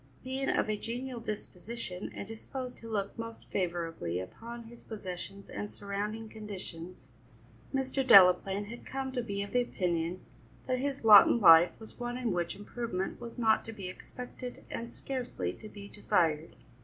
Being of a genial disposition and disposed to look most favourably upon his possessions and surrounding conditions, Mr. Delaplaine had come to be of the opinion that his lot in life was one in which improvement was not to be expected and scarcely to be desired.